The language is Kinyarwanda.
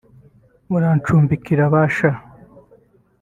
murancumbikira ba sha